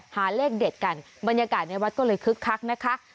หาเลขเด็ดกันบรรยากาศในวัดก็เลยคึกคักนะคะ